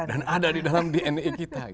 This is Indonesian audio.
dan ada di dalam dna kita